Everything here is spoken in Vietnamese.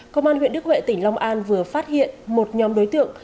công an huyện đức huệ tỉnh long an vừa phát hiện một nhóm đối tượng